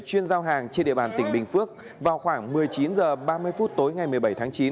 chuyên giao hàng trên địa bàn tỉnh bình phước vào khoảng một mươi chín h ba mươi phút tối ngày một mươi bảy tháng chín